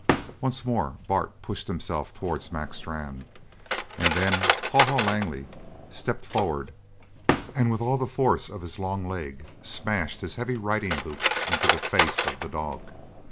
Once more Bart pushed himself towards Mac Strann, and then Haw Haw Langley stepped forward, and with all the force of his long leg smashed his heavy riding boot into the face of the dog.